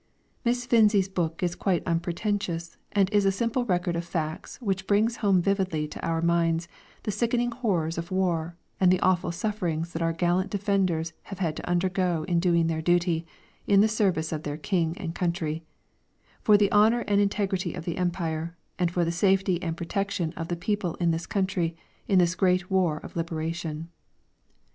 Miss Finzi's book is quite unpretentious, and is a simple record of facts which brings home vividly to our minds the sickening horrors of war and the awful sufferings that our gallant defenders have had to undergo in doing their duty, in the service of their King and country, for the honour and integrity of the Empire, and for the safety and protection of the people in this country in this great war of liberation.